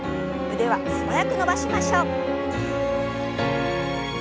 腕は素早く伸ばしましょう。